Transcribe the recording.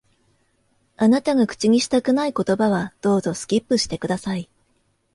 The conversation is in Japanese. あなたが口にしたくない言葉は、どうぞ、スキップして下さい。